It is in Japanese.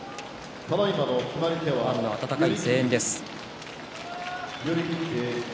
ファンの温かい声援です。